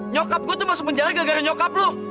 nyokap gue tuh masuk penjara gara gara nyokap loh